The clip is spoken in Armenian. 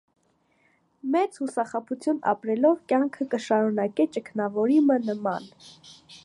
Մեծ յուսախաբութիւն ապրելով կեանքը կը շարունակէ ճգնաւորի մը նման։